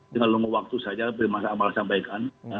dengan lunggu waktu saja beri masalah sampaikan